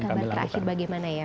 gambar terakhir bagaimana ya